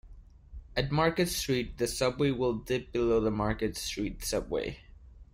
At Market Street, the subway will dip below the Market Street Subway.